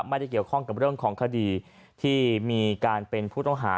ไม่ได้เกี่ยวข้องกับเรื่องของคดีที่มีการเป็นผู้ต้องหา